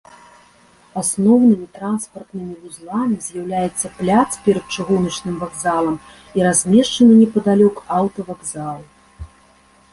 Асноўнымі транспартнымі вузламі з'яўляюцца пляц перад чыгуначным вакзалам і размешчаны непадалёк аўтавакзал.